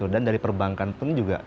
dan dari perbankan pun juga